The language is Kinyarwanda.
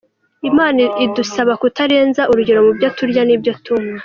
Imana idusaba kutarenza urugero mu byo turya n’ibyo tunywa.